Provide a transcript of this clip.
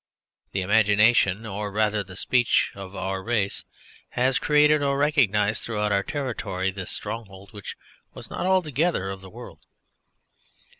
The imagination, or rather the speech, of our race has created or recognised throughout our territory this stronghold which was not altogether of the world.